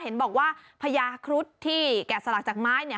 เห็นบอกว่าพญาครุฑที่แกะสลักจากไม้เนี่ย